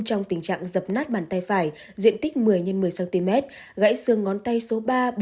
trong tình trạng dập nát bàn tay phải diện tích một mươi x một mươi cm gãy xương ngón tay số ba bốn